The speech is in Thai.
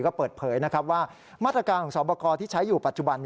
ก็เปิดเผยนะครับว่ามาตรการของสอบคอที่ใช้อยู่ปัจจุบัน